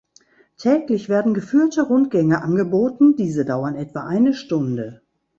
Täglich werden geführte Rundgänge angeboten, diese dauern etwa eine Stunde.